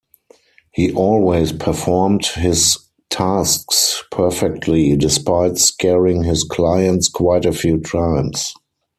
He always performed his tasks perfectly, despite scaring his clients quite a few times.